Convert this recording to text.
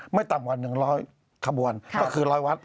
ไม่ต่ำวันหนึ่งร้อยคบวนก็คือร้อยวัด